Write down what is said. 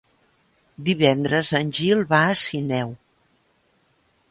Divendres en Gil va a Sineu.